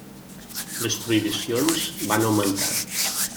Les prohibicions van augmentar.